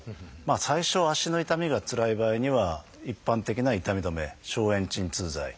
最初足の痛みがつらい場合には一般的な痛み止め消炎鎮痛剤。